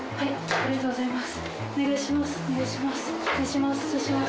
ありがとうございます。